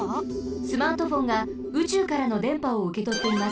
スマートフォンがうちゅうからのでんぱをうけとっています。